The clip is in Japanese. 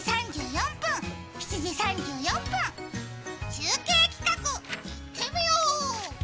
中継企画いってみよう。